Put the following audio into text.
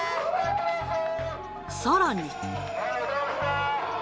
さらに。